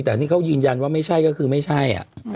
แต่นี่เขายืนยันว่าไม่ใช่ก็คือไม่ใช่